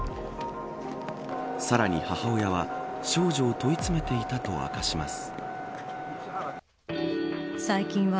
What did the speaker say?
さらに母親は少女を問い詰めていたと明かします。